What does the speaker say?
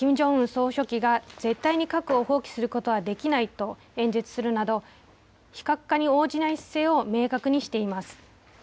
総書記が、絶対に核を放棄することはできないと演説するなど、非核化に応じない姿勢を明確にしています。